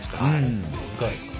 いかがですか？